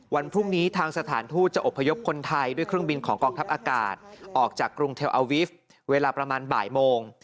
วันพรุ่งนี้ทางสถานทูตจะอบพยพคนไทยด้วยเครื่องบินของกองทัพอากาศออกจากกรุงเทลอาวิฟต์เวลาประมาณบ่ายโมง